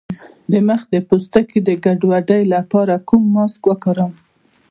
د مخ د پوستکي د ګډوډۍ لپاره کوم ماسک وکاروم؟